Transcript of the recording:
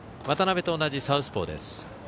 渡邊と同じサウスポーです。